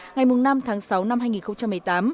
ngày năm tháng sáu năm hai nghìn một mươi tám